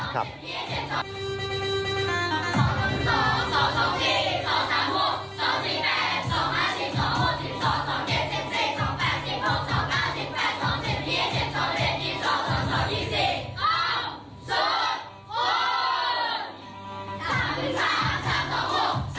้าวววว